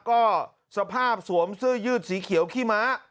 ก็สภาพสวมเสื้อยืดสีเขียวขี้ม้า